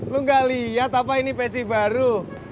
lu gak liat apa ini pecik baru